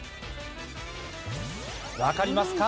分かりますか？